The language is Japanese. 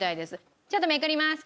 ちょっとめくります。